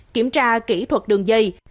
kiểm tra kỹ thuật đường dây